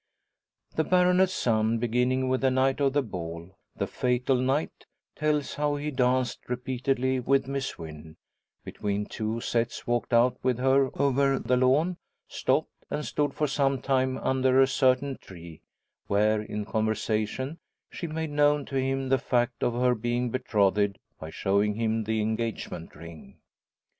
The baronet's son, beginning with the night of the ball the fatal night tells how he danced repeatedly with Miss Wynn; between two sets walked out with her over the lawn, stopped, and stood for some time under a certain tree, where in conversation she made known to him the fact of her being betrothed by showing him the engagement ring.